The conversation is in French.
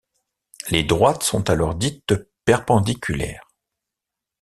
Les droites sont alors dites perpendiculaires.